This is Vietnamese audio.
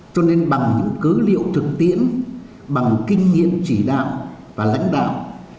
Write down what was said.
cho nên bằng những cứ liệu thực tiễn bằng kinh nghiệm chỉ đạo và lãnh đạo